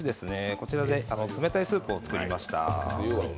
こちらで冷たいスープを作りました。